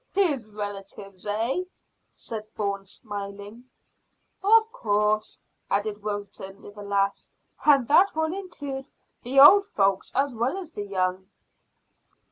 "His relatives, eh?" said Bourne, smiling. "Of course," added Wilton, with a laugh, "and that will include the old folks as well as the young."